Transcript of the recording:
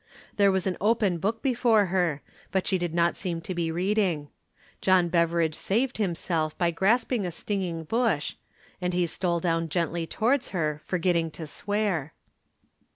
There was an open book before her, but she did not seem to be reading. John Beveridge saved himself by grasping a stinging bush, and he stole down gently towards her, forgetting to swear.